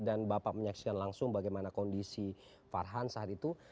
dan bapak menyaksikan langsung bagaimana kondisi farhan saat itu